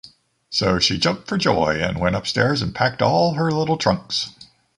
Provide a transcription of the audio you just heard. So she jumped for joy; and went upstairs and packed all her little trunks.